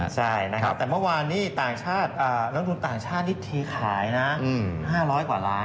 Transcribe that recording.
ใช่ในลงทุนต่างชาตินิศทีขาย๕๐๐กว่าล้าน